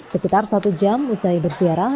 sekitar satu jam usai berziarah